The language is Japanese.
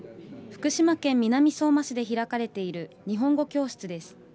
福島県南相馬市で開かれている日本語教室です。